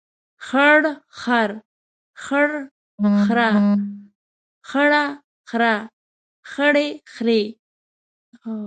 خړ خر، خړ خره، خړه خره، خړې خرې.